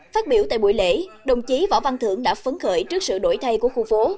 phát biểu tại buổi lễ đồng chí võ văn thưởng đã phấn khởi trước sự đổi thay của khu phố